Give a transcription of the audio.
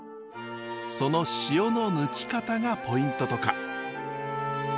その塩の抜き方がポイントとか。